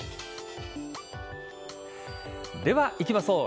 では、いきましょう。